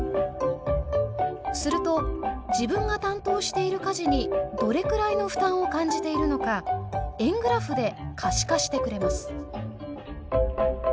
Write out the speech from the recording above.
すると自分が担当している家事にどれくらいの負担を感じているのか円グラフで可視化してくれます。